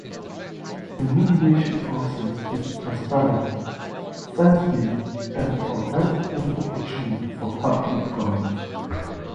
The nomination process is transparent, science-based, and provides an opportunity for public comment.